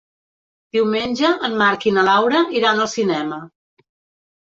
Diumenge en Marc i na Laura iran al cinema.